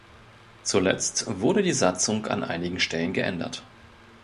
Zuletzt wurde die Satzung an einigen Stellen geändert.